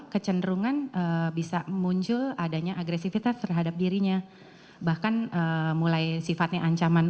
kecenderungan bisa muncul adanya agresivitas terhadap dirinya bahkan mulai sifatnya ancaman